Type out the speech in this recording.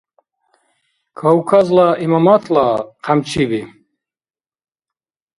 «Кавказла имаматла» хъямчиби